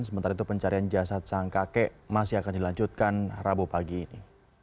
sementara itu pencarian jasad sang kakek masih akan dilanjutkan rabu pagi ini